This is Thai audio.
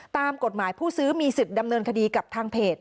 ตามกฎหมายผู้ซื้อมีสิทธิ์ดำเนินคดีกับทางเพจ